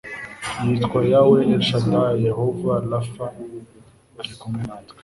yitwa yawe el shadai jehova rafa ari kumwe natwe